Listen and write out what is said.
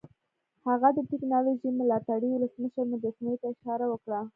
هغه د ټیکنالوژۍ ملاتړي ولسمشر مجسمې ته اشاره وکړه